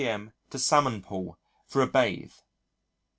to the Salmon Pool for a bathe.